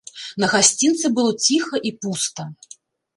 На гасцінцы было ціха і пуста.